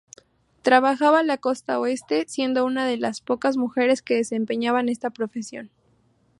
Trabajaba la Costa Oeste, siendo una de las pocas mujeres que desempeñaban esta profesión.